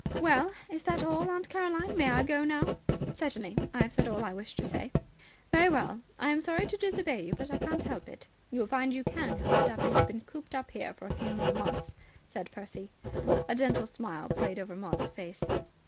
"Well, is that all, Aunt Caroline? May I go now?" "Certainly. I have said all I wished to say." "Very well. I'm sorry to disobey you, but I can't help it." "You'll find you can help it after you've been cooped up here for a few more months," said Percy. A gentle smile played over Maud's face.